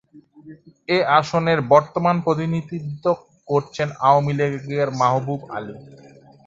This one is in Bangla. এ আসনের বর্তমান প্রতিনিধিত্ব করছেন আওয়ামী লীগের মাহবুব আলী।